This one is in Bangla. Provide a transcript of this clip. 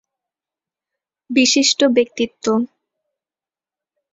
বিশিষ্ট ব্যক্তিত্ব